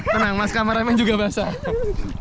tenang mas kameramen juga basah